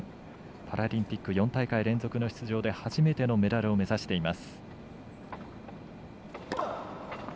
パラリンピック４大会連続の出場で初めてのメダルを目指しています。